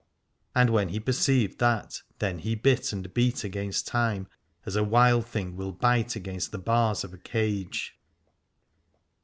And when he perceived that, then he bit and beat against time as a wild thing will bite against the bars of a cage.